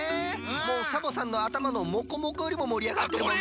もうサボさんのあたまのモコモコよりももりあがってるもんね。